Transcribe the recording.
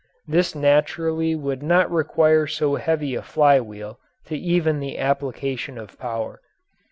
This naturally would not require so heavy a fly wheel to even the application of power.